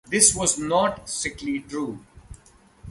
This was not strictly true.